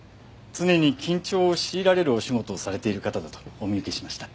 常に緊張を強いられるお仕事をされている方だとお見受けしました。